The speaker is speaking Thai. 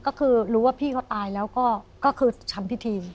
ก็คือรู้ว่าพี่เขาตายแล้วก็คือทำพิธี